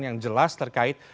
yang jelas terkait